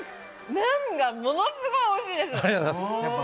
麺がものすごいおいしいです。